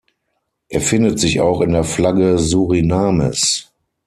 Er findet sich auch in der Flagge Surinames.